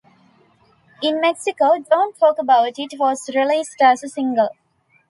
In Mexico, "Don't Talk About It" was released as a single.